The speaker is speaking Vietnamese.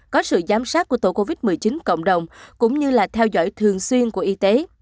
có sự giám sát của tổ covid một mươi chín cộng đồng cũng như là theo dõi thường xuyên của y tế